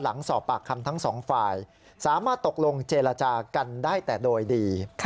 หลังสอบปากคำทั้งสองฝ่ายสามารถตกลงเจรจากันได้แต่โดยดี